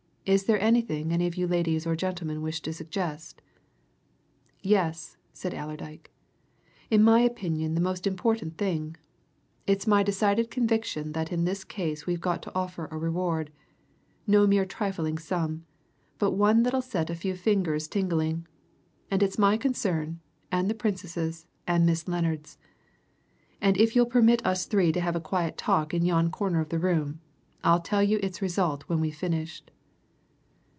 Is there anything any of you ladies or gentlemen wish to suggest?" "Yes!" said Allerdyke. "In my opinion a most important thing. It's my decided conviction that in this case we've got to offer a reward no mere trifling sum, but one that'll set a few fingers tingling. And it's my concern, and the Princess's, and Miss Lennard's. And if you'll permit us three to have a quiet talk in yon corner of your room, I'll tell you its result when we've finished."